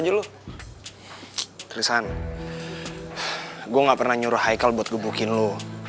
tapi gue gak pernah nyuruh haikal buat gebukin lo